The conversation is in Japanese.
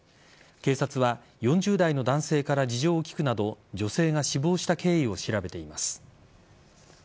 警察は４０代の男性から事情を聴くなど女性が死亡した経緯を調べています。